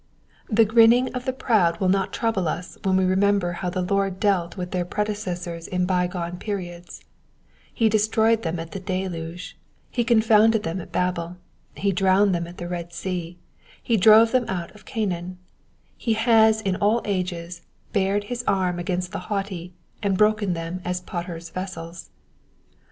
The grinning of the proud will not trouble us when we remember how the Lord dealt with their predecessors in bygone periods ; he destroyed them at the deluge, he con founded them at Babel, he drowned them at the Red Sea, he drove them out of Canaan : he has in all ages bared his arm against the haughty, and broken them as potters' vessels.